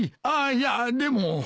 あっいやでも。